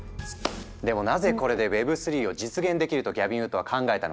でもなぜこれでＷｅｂ３を実現できるとギャビン・ウッドは考えたのか。